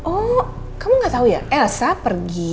oh kamu gak tahu ya elsa pergi